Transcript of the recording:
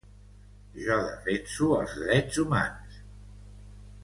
Jo defense els drets humans.